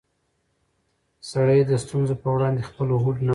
سړی د ستونزو په وړاندې خپل هوډ نه بایلي